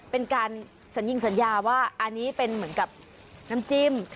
เป็นการสัญญิงสัญญาว่าอันนี้เป็นเหมือนกับน้ำจิ้ม